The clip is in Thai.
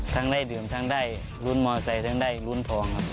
ทั้งได้เดือมทั้งได้รุ่นมอเตย์ทั้งได้รุ่นทองครับ